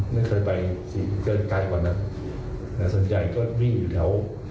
ไม่เคยไปเกินไกลกว่านั้นสนใจก็วิ่งอยู่แถว